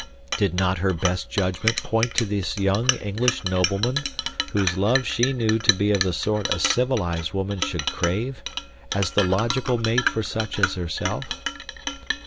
Did not her best judgment point to this young English nobleman, whose love she knew to be of the sort a civilized woman should crave, as the logical mate for such as herself?